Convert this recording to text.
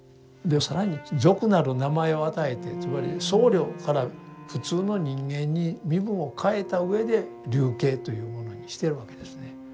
で更に俗なる名前を与えてつまり僧侶から普通の人間に身分を変えたうえで流刑というものにしてるわけですね。